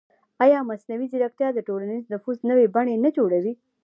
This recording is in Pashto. ایا مصنوعي ځیرکتیا د ټولنیز نفوذ نوې بڼې نه جوړوي؟